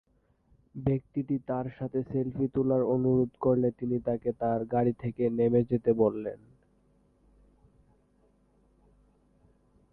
ব্যক্তিটি তার সাথে সেলফি তোলার অনুরোধ করলে তিনি তাকে তার গাড়ি থেকে নেমে যেতে বলেন।